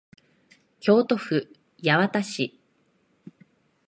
京都府八幡市